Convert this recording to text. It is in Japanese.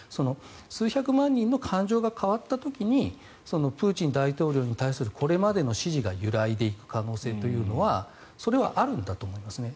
数百万人の感情が変わった時にプーチン大統領に対するこれまでの支持が揺らいでいく可能性というのはそれはあるんだと思いますね。